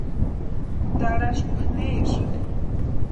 ¿Tarhaskwa nesïni?